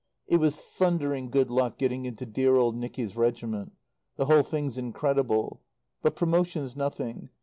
It was thundering good luck getting into dear old Nicky's regiment. The whole thing's incredible. But promotion's nothing.